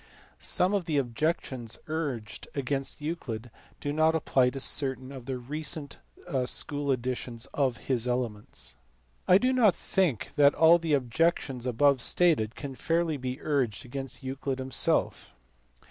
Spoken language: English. Some of the objections urged against Euclid do not apply to certain of the recent school editions of his Elements. I do not think that all the objections above stated can fairly be urged against Euclid himself.